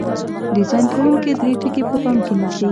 ډیزاین کوونکي درې ټکي په پام کې نیسي.